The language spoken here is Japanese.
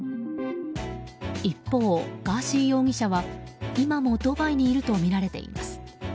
一方、ガーシー容疑者は今もドバイにいるとみられています。